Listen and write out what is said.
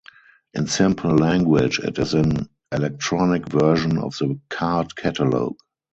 In simple language it is an electronic version of the card catalogue.